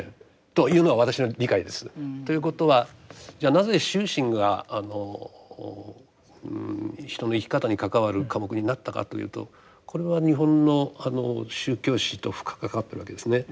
というのが今私の理解です。ということはじゃあなぜ修身が人の生き方に関わる科目になったかというとこれは日本の宗教史と深く関わってるわけですね。